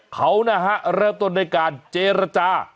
เขานะฮะเริ่มต้นด้วยการเจรจา